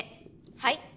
はい。